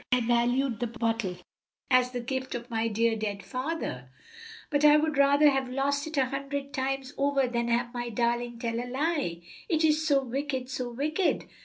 "I valued the bottle as the gift of my dear dead father, but I would rather have lost it a hundred times over than have my darling tell a lie. It is so wicked, so wicked!